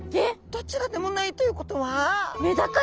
どちらでもないということは？